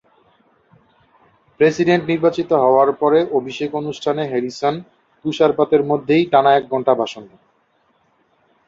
President নির্বাচিত হওয়ার পরে অভিষেক-অনুষ্ঠানে হ্যারিসন তুষারপাতের মধ্যেই টানা এক ঘণ্টা ভাষণ দেন।